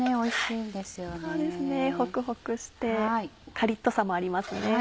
そうですねホクホクしてカリっとさもありますね。